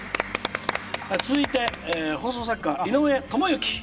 続いて放送作家井上知幸。